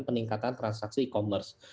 peningkatan transaksi e commerce